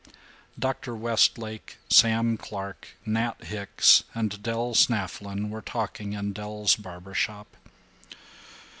III Dr. Westlake, Sam Clark, Nat Hicks, and Del Snafflin were talking in Del's barber shop.